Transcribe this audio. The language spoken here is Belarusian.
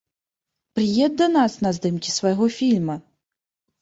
Прыедзь да нас на здымкі свайго фільма!